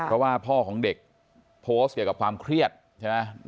เพราะว่าพ่อของเด็กโพสต์เกี่ยวกับความเครียดใช่ไหม